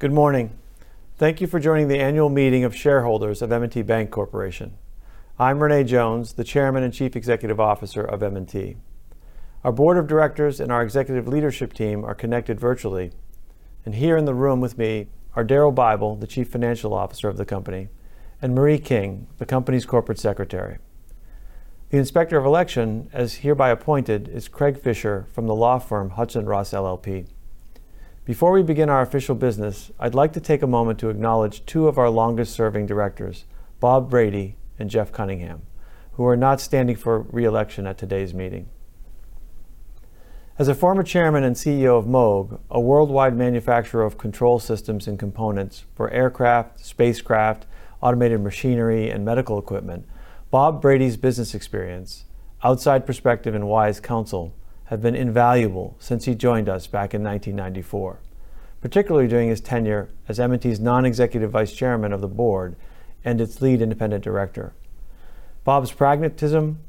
Good morning. Thank you for joining the annual meeting of shareholders of M&T Bank Corporation. I'm René Jones, the Chairman and Chief Executive Officer of M&T. Our Board of Directors and our Executive Leadership Team are connected virtually, and here in the room with me are Daryl Bible, the Chief Financial Officer of the company, and Marie King, the company's Corporate Secretary. The Inspector of Election, as hereby appointed, is Craig Fischer from the law firm Hodgson Russ LLP. Before we begin our official business, I'd like to take a moment to acknowledge two of our longest-serving directors, Bob Brady and Jeff Cunningham, who are not standing for re-election at today's meeting. As a former Chairman and CEO of Moog, a worldwide manufacturer of control systems and components for aircraft, spacecraft, automated machinery, and medical equipment, Bob Brady's business experience, outside perspective, and wise counsel have been invaluable since he joined us back in 1994, particularly during his tenure as M&T's non-executive vice chairman of the board and its lead independent director. Bob's pragmatism,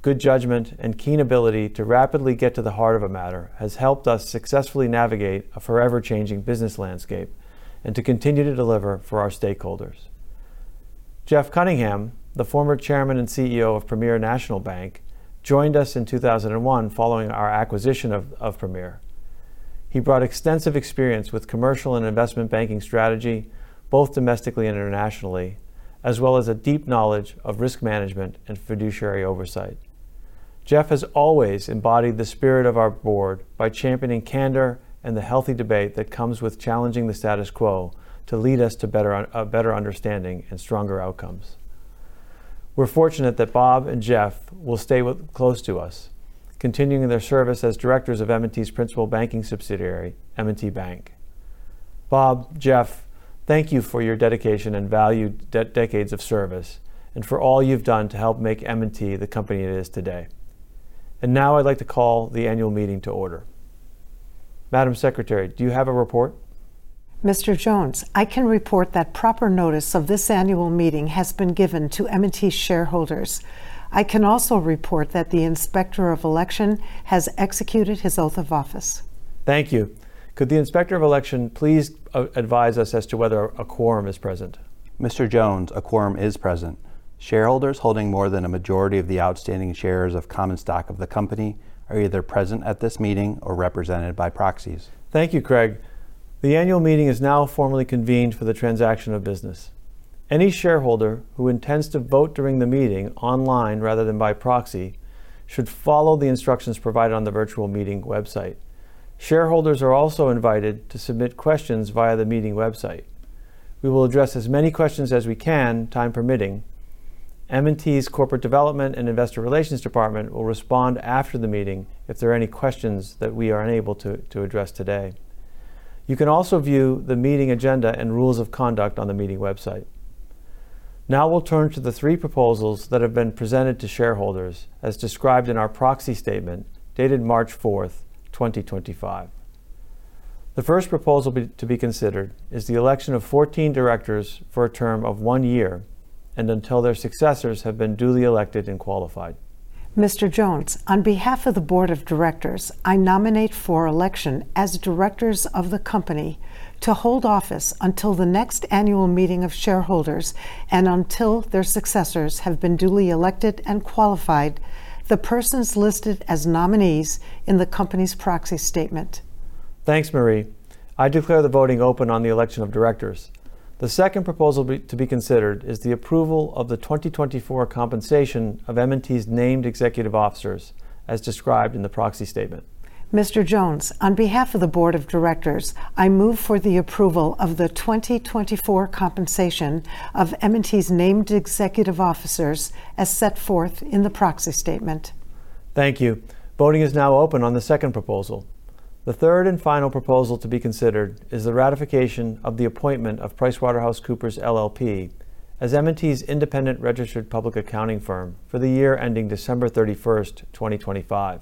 good judgment, and keen ability to rapidly get to the heart of a matter has helped us successfully navigate a forever-changing business landscape and to continue to deliver for our stakeholders. Jeff Cunningham, the former Chairman and CEO of Premier National Bank, joined us in 2001 following our acquisition of Premier. He brought extensive experience with commercial and investment banking strategy, both domestically and internationally, as well as a deep knowledge of risk management and fiduciary oversight. Jeff has always embodied the spirit of our board by championing candor and the healthy debate that comes with challenging the status quo to lead us to better understanding and stronger outcomes. We're fortunate that Bob and Jeff will stay close to us, continuing their service as directors of M&T's principal banking subsidiary, M&T Bank. Bob, Jeff, thank you for your dedication and valued decades of service, and for all you've done to help make M&T the company it is today. I would like to call the annual meeting to order. Madam Secretary, do you have a report? Mr. Jones, I can report that proper notice of this annual meeting has been given to M&T shareholders. I can also report that the Inspector of Election has executed his oath of office. Thank you. Could the Inspector of Election please advise us as to whether a quorum is present? Mr. Jones, a quorum is present. Shareholders holding more than a majority of the outstanding shares of common stock of the company are either present at this meeting or represented by proxies. Thank you, Craig. The annual meeting is now formally convened for the transaction of business. Any shareholder who intends to vote during the meeting online rather than by proxy should follow the instructions provided on the virtual meeting website. Shareholders are also invited to submit questions via the meeting website. We will address as many questions as we can, time permitting. M&T's Corporate Development and Investor Relations Department will respond after the meeting if there are any questions that we are unable to address today. You can also view the meeting agenda and rules of conduct on the meeting website. Now we'll turn to the three proposals that have been presented to shareholders as described in our proxy statement dated March 4, 2025. The first proposal to be considered is the election of 14 directors for a term of one year and until their successors have been duly elected and qualified. Mr. Jones, on behalf of the Board of Directors, I nominate for election as directors of the company to hold office until the next annual meeting of shareholders and until their successors have been duly elected and qualified, the persons listed as nominees in the company's proxy statement. Thanks, Marie. I declare the voting open on the election of directors. The second proposal to be considered is the approval of the 2024 compensation of M&T's named executive officers as described in the proxy statement. Mr. Jones, on behalf of the Board of Directors, I move for the approval of the 2024 compensation of M&T's named executive officers as set forth in the proxy statement. Thank you. Voting is now open on the second proposal. The third and final proposal to be considered is the ratification of the appointment of PricewaterhouseCoopers LLP as M&T's independent registered public accounting firm for the year ending December 31st, 2025.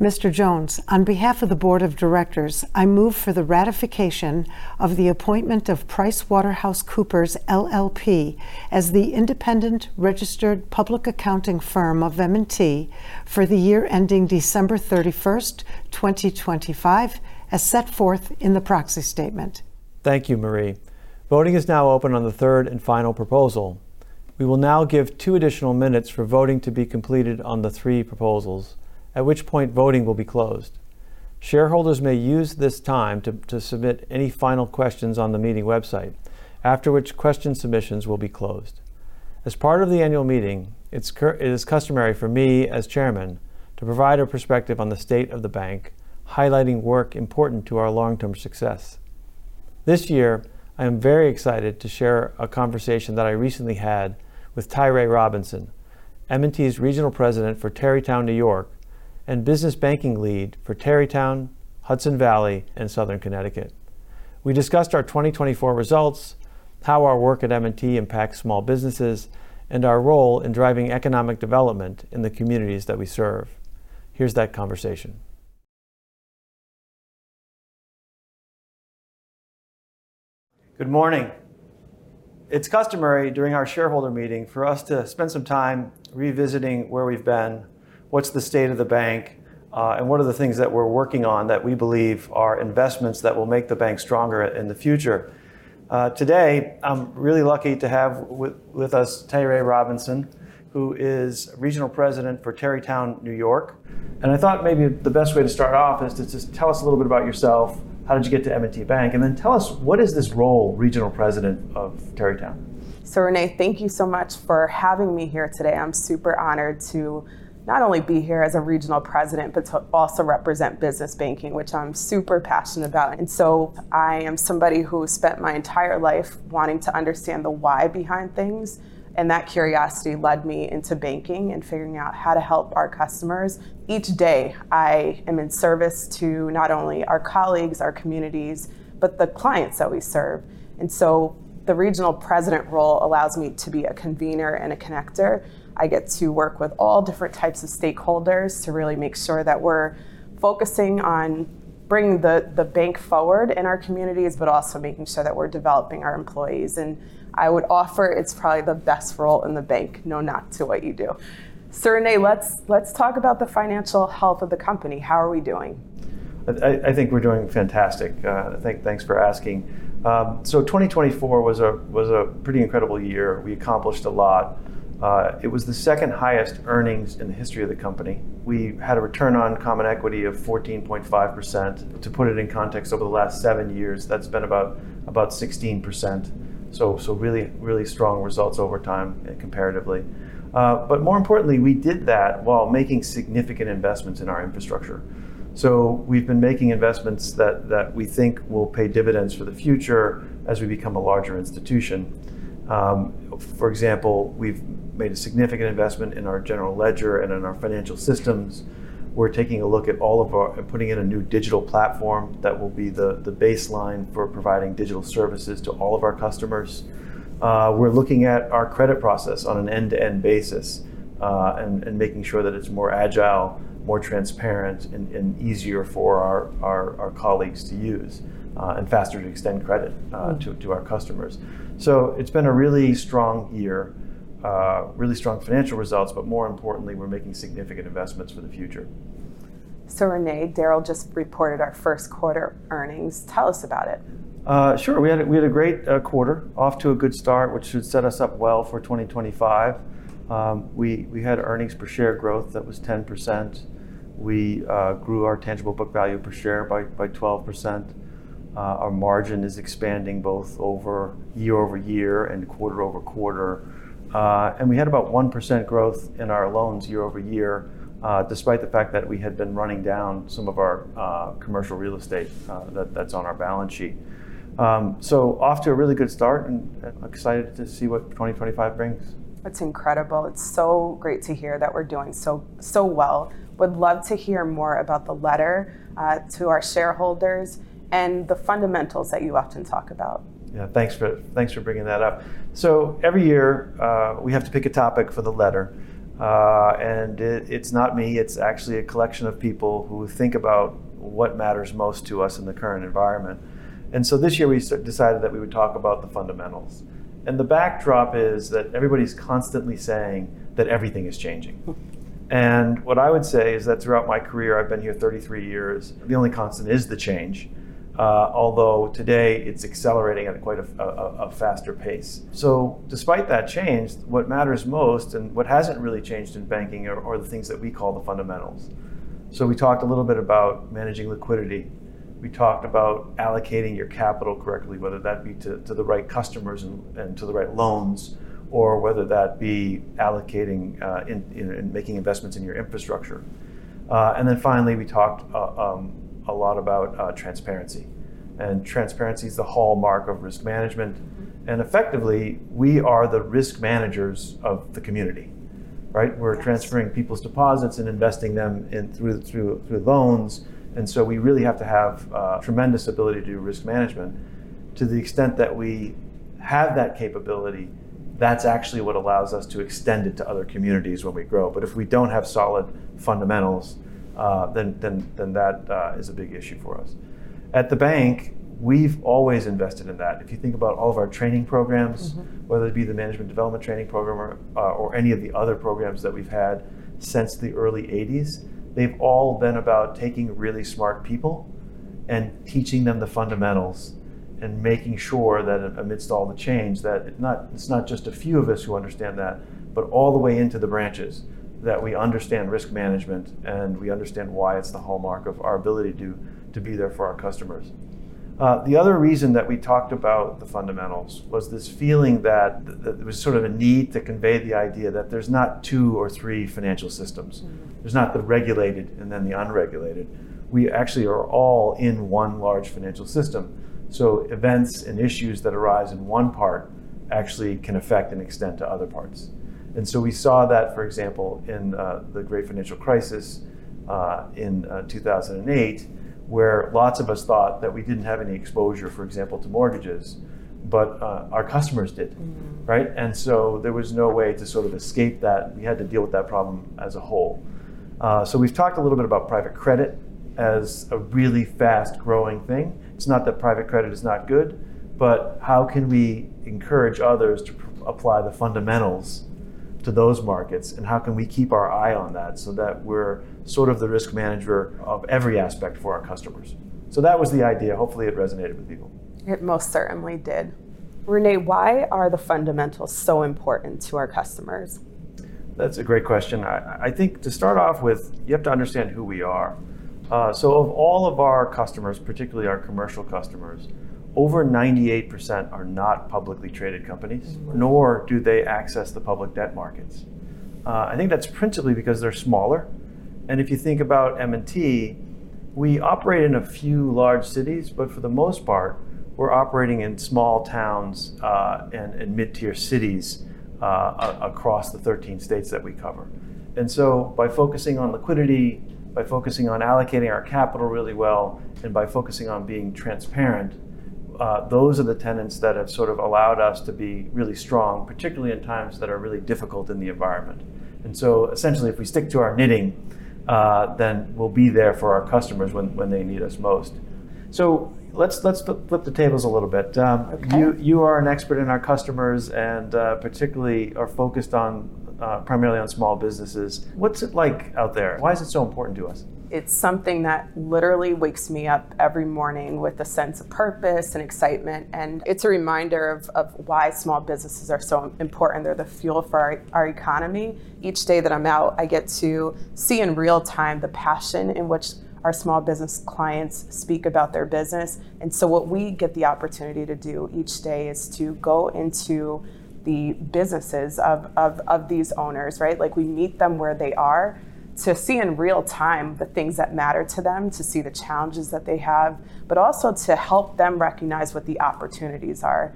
Mr. Jones, on behalf of the Board of Directors, I move for the ratification of the appointment of PricewaterhouseCoopers LLP as the independent registered public accounting firm of M&T for the year ending December 31, 2025, as set forth in the proxy statement. Thank you, Marie. Voting is now open on the third and final proposal. We will now give two additional minutes for voting to be completed on the three proposals, at which point voting will be closed. Shareholders may use this time to submit any final questions on the meeting website, after which question submissions will be closed. As part of the annual meeting, it is customary for me as Chairman to provide a perspective on the state of the bank, highlighting work important to our long-term success. This year, I am very excited to share a conversation that I recently had with Tyré Robinson, M&T's Regional President for Tarrytown, New York, and business banking lead for Tarrytown, Hudson Valley, and Southern Connecticut. We discussed our 2024 results, how our work at M&T impacts small businesses, and our role in driving economic development in the communities that we serve. Here's that conversation. Good morning. It's customary during our shareholder meeting for us to spend some time revisiting where we've been, what's the state of the bank, and what are the things that we're working on that we believe are investments that will make the bank stronger in the future. Today, I'm really lucky to have with us Tyré Robinson, who is Regional President for Tarrytown, New York. I thought maybe the best way to start off is to just tell us a little bit about yourself. How did you get to M&T Bank? Then tell us, what is this role, Regional President of Tarrytown? René, thank you so much for having me here today. I'm super honored to not only be here as a regional president, but to also represent business banking, which I'm super passionate about. I am somebody who spent my entire life wanting to understand the why behind things, and that curiosity led me into banking and figuring out how to help our customers. Each day, I am in service to not only our colleagues, our communities, but the clients that we serve. The regional president role allows me to be a convener and a connector. I get to work with all different types of stakeholders to really make sure that we're focusing on bringing the bank forward in our communities, but also making sure that we're developing our employees. I would offer it's probably the best role in the bank. Know not to what you do. René, let's talk about the financial health of the company. How are we doing? I think we're doing fantastic. Thanks for asking. 2024 was a pretty incredible year. We accomplished a lot. It was the second highest earnings in the history of the company. We had a return on common equity of 14.5%. To put it in context, over the last seven years, that's been about 16%. Really, really strong results over time comparatively. More importantly, we did that while making significant investments in our infrastructure. We've been making investments that we think will pay dividends for the future as we become a larger institution. For example, we've made a significant investment in our general ledger and in our financial systems. We're taking a look at all of our and putting in a new digital platform that will be the baseline for providing digital services to all of our customers. We're looking at our credit process on an end-to-end basis and making sure that it's more agile, more transparent, and easier for our colleagues to use and faster to extend credit to our customers. It has been a really strong year, really strong financial results, but more importantly, we're making significant investments for the future. René, Daryl just reported our first quarter earnings. Tell us about it. Sure. We had a great quarter, off to a good start, which should set us up well for 2025. We had earnings per share growth that was 10%. We grew our tangible book value per share by 12%. Our margin is expanding both year-over-year and quarter-over-quarter. We had about 1% growth in our loans year-over-year, despite the fact that we had been running down some of our commercial real estate that is on our balance sheet. Off to a really good start and excited to see what 2025 brings. That's incredible. It's so great to hear that we're doing so well. Would love to hear more about the letter to our shareholders and the fundamentals that you often talk about. Yeah, thanks for bringing that up. Every year, we have to pick a topic for the letter. It's not me. It's actually a collection of people who think about what matters most to us in the current environment. This year, we decided that we would talk about the fundamentals. The backdrop is that everybody's constantly saying that everything is changing. What I would say is that throughout my career, I've been here 33 years. The only constant is the change, although today it's accelerating at quite a faster pace. Despite that change, what matters most and what hasn't really changed in banking are the things that we call the fundamentals. We talked a little bit about managing liquidity. We talked about allocating your capital correctly, whether that be to the right customers and to the right loans, or whether that be allocating and making investments in your infrastructure. Finally, we talked a lot about transparency. Transparency is the hallmark of risk management. Effectively, we are the risk managers of the community. We're transferring people's deposits and investing them through loans. We really have to have tremendous ability to do risk management. To the extent that we have that capability, that's actually what allows us to extend it to other communities when we grow. If we don't have solid fundamentals, that is a big issue for us. At the bank, we've always invested in that. If you think about all of our training programs, whether it be the management development training program or any of the other programs that we've had since the early 1980s, they've all been about taking really smart people and teaching them the fundamentals and making sure that amidst all the change, that it's not just a few of us who understand that, but all the way into the branches, that we understand risk management and we understand why it's the hallmark of our ability to be there for our customers. The other reason that we talked about the fundamentals was this feeling that it was sort of a need to convey the idea that there's not two or three financial systems. There's not the regulated and then the unregulated. We actually are all in one large financial system. Events and issues that arise in one part actually can affect and extend to other parts. We saw that, for example, in the great financial crisis in 2008, where lots of us thought that we did not have any exposure, for example, to mortgages, but our customers did. There was no way to sort of escape that. We had to deal with that problem as a whole. We have talked a little bit about private credit as a really fast-growing thing. It is not that private credit is not good, but how can we encourage others to apply the fundamentals to those markets? How can we keep our eye on that so that we are sort of the risk manager of every aspect for our customers? That was the idea. Hopefully, it resonated with people. It most certainly did. René, why are the fundamentals so important to our customers? That's a great question. I think to start off with, you have to understand who we are. Of all of our customers, particularly our commercial customers, over 98% are not publicly traded companies, nor do they access the public debt markets. I think that's principally because they're smaller. If you think about M&T, we operate in a few large cities, but for the most part, we're operating in small towns and mid-tier cities across the 13 states that we cover. By focusing on liquidity, by focusing on allocating our capital really well, and by focusing on being transparent, those are the tenets that have sort of allowed us to be really strong, particularly in times that are really difficult in the environment. Essentially, if we stick to our knitting, then we'll be there for our customers when they need us most. Let's flip the tables a little bit. You are an expert in our customers and particularly are focused primarily on small businesses. What's it like out there? Why is it so important to us? It's something that literally wakes me up every morning with a sense of purpose and excitement. It's a reminder of why small businesses are so important. They're the fuel for our economy. Each day that I'm out, I get to see in real time the passion in which our small business clients speak about their business. What we get the opportunity to do each day is to go into the businesses of these owners. We meet them where they are to see in real time the things that matter to them, to see the challenges that they have, but also to help them recognize what the opportunities are.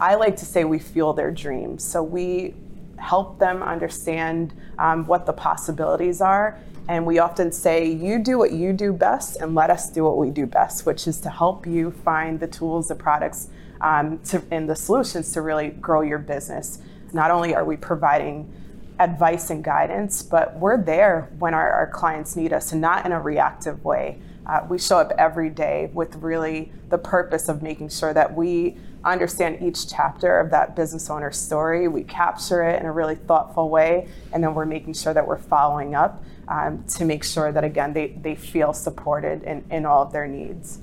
I like to say we fuel their dreams. We help them understand what the possibilities are. We often say, you do what you do best and let us do what we do best, which is to help you find the tools, the products, and the solutions to really grow your business. Not only are we providing advice and guidance, but we're there when our clients need us and not in a reactive way. We show up every day with really the purpose of making sure that we understand each chapter of that business owner's story. We capture it in a really thoughtful way. We are making sure that we're following up to make sure that, again, they feel supported in all of their needs.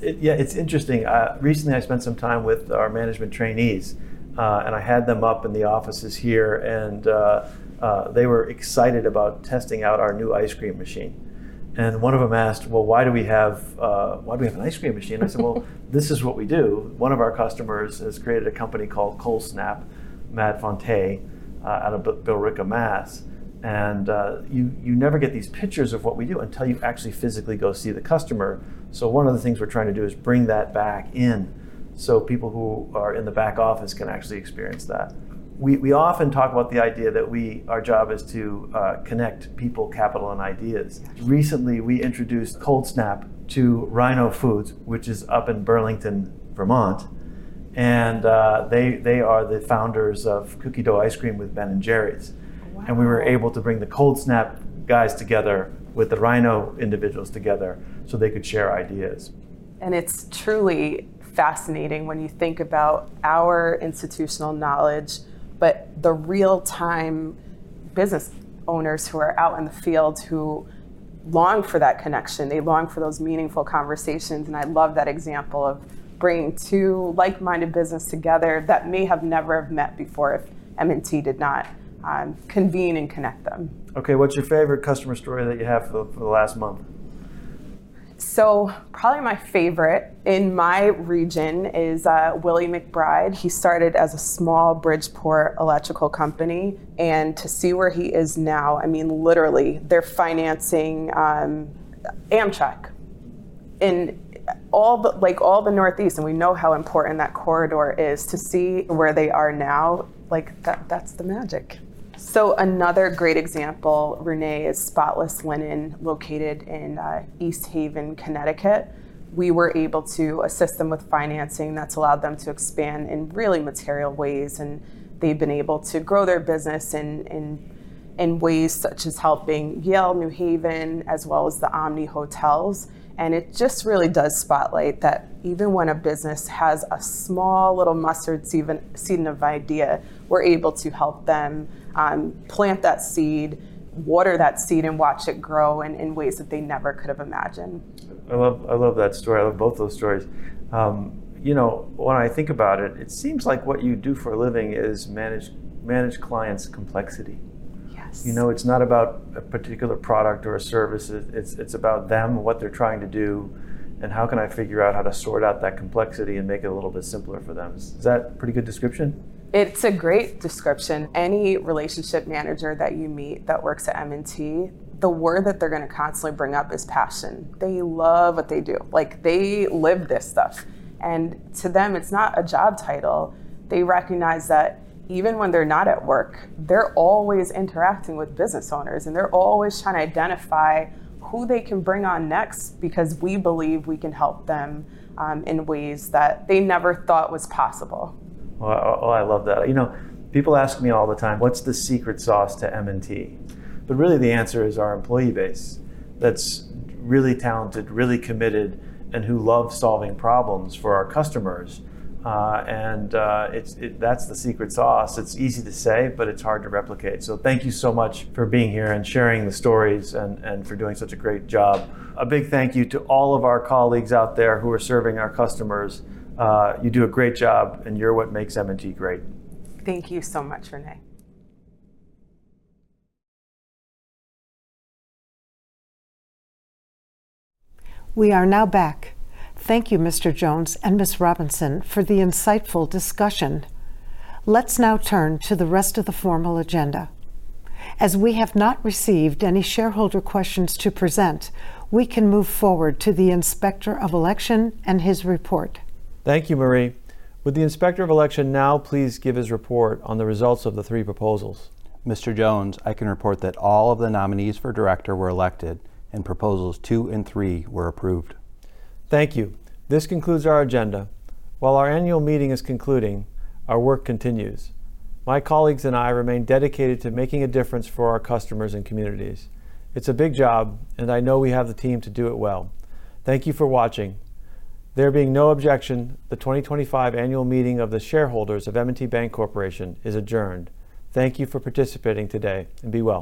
Yeah, it's interesting. Recently, I spent some time with our management trainees, and I had them up in the offices here, and they were excited about testing out our new ice cream machine. One of them asked, well, why do we have an ice cream machine? I said, this is what we do. One of our customers has created a company called ColdSnap, Matt Fonte out of Billerica, Massachusetts. You never get these pictures of what we do until you actually physically go see the customer. One of the things we're trying to do is bring that back in so people who are in the back office can actually experience that. We often talk about the idea that our job is to connect people, capital, and ideas. Recently, we introduced ColdSnap to Rhino Foods, which is up in Burlington, Vermont. They are the founders of cookie dough ice cream with Ben & Jerry's. We were able to bring the ColdSnap guys together with the Rhino individuals together so they could share ideas. It is truly fascinating when you think about our institutional knowledge, but the real-time business owners who are out in the field who long for that connection. They long for those meaningful conversations. I love that example of bringing two like-minded businesses together that may have never met before if M&T did not convene and connect them. Okay, what's your favorite customer story that you have for the last month? Probably my favorite in my region is Willie McBride. He started as a small Bridgeport electrical company. To see where he is now, I mean, literally, they're financing Amtrak in all the Northeast. We know how important that corridor is. To see where they are now, that's the magic. Another great example, René, is Spotless Linen, located in East Haven, Connecticut. We were able to assist them with financing. That's allowed them to expand in really material ways. They've been able to grow their business in ways such as helping Yale New Haven, as well as the Omni Hotels. It just really does spotlight that even when a business has a small little mustard seed of idea, we're able to help them plant that seed, water that seed, and watch it grow in ways that they never could have imagined. I love that story. I love both those stories. You know, when I think about it, it seems like what you do for a living is manage clients' complexity. Yes. You know, it's not about a particular product or a service. It's about them and what they're trying to do and how can I figure out how to sort out that complexity and make it a little bit simpler for them. Is that a pretty good description? It's a great description. Any relationship manager that you meet that works at M&T, the word that they're going to constantly bring up is passion. They love what they do. They live this stuff. To them, it's not a job title. They recognize that even when they're not at work, they're always interacting with business owners, and they're always trying to identify who they can bring on next because we believe we can help them in ways that they never thought was possible. I love that. You know, people ask me all the time, what's the secret sauce to M&T? Really, the answer is our employee base that's really talented, really committed, and who love solving problems for our customers. That's the secret sauce. It's easy to say, but it's hard to replicate. Thank you so much for being here and sharing the stories and for doing such a great job. A big thank you to all of our colleagues out there who are serving our customers. You do a great job, and you're what makes M&T great. Thank you so much, René. We are now back. Thank you, Mr. Jones and Ms. Robinson, for the insightful discussion. Let's now turn to the rest of the formal agenda. As we have not received any shareholder questions to present, we can move forward to the inspector of election and his report. Thank you, Marie. Would the inspector of election now please give his report on the results of the three proposals. Mr. Jones, I can report that all of the nominees for director were elected, and proposals two and three were approved. Thank you. This concludes our agenda. While our annual meeting is concluding, our work continues. My colleagues and I remain dedicated to making a difference for our customers and communities. It's a big job, and I know we have the team to do it well. Thank you for watching. There being no objection, the 2025 annual meeting of the shareholders of M&T Bank Corporation is adjourned. Thank you for participating today, and be well.